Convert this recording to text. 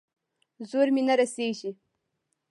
زور مې نه رسېږي.